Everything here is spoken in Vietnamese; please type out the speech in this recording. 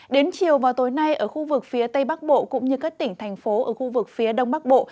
đến chiều vào tối nay ở khu vực phía tây bắc bộ cũng như các tỉnh thành phố ở khu vực phía đông bắc bộ